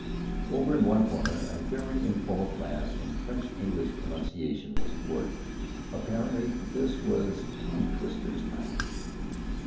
Over in one corner, a very informal class in French English pronunciation was at work. Apparently, this was tongue twisters' night.